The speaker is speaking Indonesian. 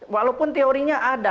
walaupun teorinya ada